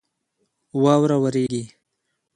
واوره ورېږي